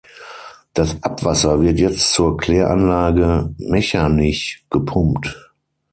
Das Abwasser wird jetzt zur Kläranlage Mechernich gepumpt.